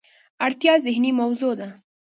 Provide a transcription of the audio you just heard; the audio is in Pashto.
اړتیا ذهني موضوع ده.